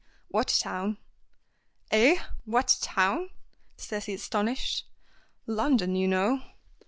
"What town?" "Eh? What town?" says he astonished. "London, you know."